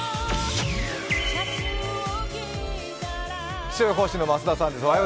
気象予報士の増田さんです。